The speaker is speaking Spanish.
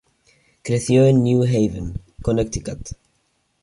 Creció en New Haven, Connecticut.